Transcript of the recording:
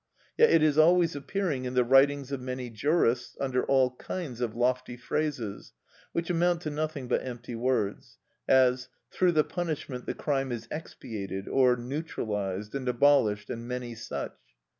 Yet it is always appearing in the writings of many jurists, under all kinds of lofty phrases, which amount to nothing but empty words, as: Through the punishment the crime is expiated or neutralised and abolished, and many such.